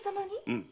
うん。